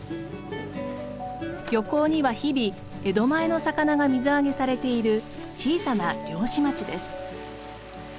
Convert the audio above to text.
漁港には日々江戸前の魚が水揚げされている小さな漁師町です。